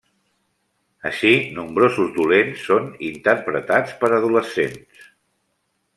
Així, nombrosos dolents són interpretats per adolescents.